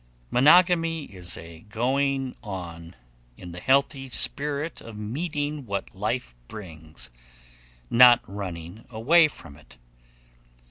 Monogamy is a going on in the healthy spirit of meeting what life brings, not running away from it.